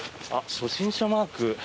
初心者マーク。